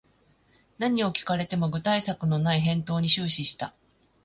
何を聞かれても具体策のない返答に終始した